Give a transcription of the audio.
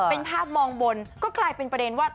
เป็นภาพมองบนก็กลายเป็นประเด็นว่า